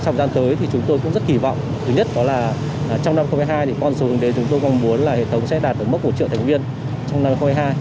trong gian tới chúng tôi cũng rất kỳ vọng thứ nhất là trong năm hai nghìn hai mươi hai con số hình thế chúng tôi mong muốn là hệ thống sẽ đạt mức một triệu thành viên trong năm hai nghìn hai mươi hai